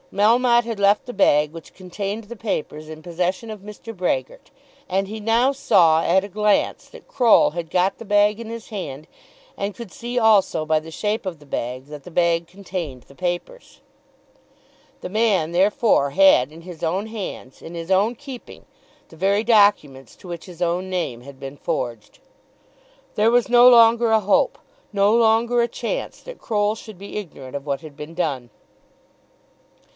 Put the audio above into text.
Melmotte had left the bag which contained the papers in possession of Mr. Brehgert, and he now saw, at a glance, that Croll had got the bag in his hand, and could see also by the shape of the bag that the bag contained the papers. The man therefore had in his own hands, in his own keeping, the very documents to which his own name had been forged! There was no longer a hope, no longer a chance that Croll should be ignorant of what had been done.